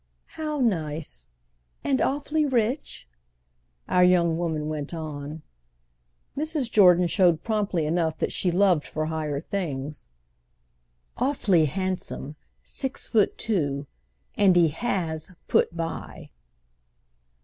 "How nice! And awfully rich?" our young woman went on. Mrs. Jordan showed promptly enough that she loved for higher things. "Awfully handsome—six foot two. And he has put by."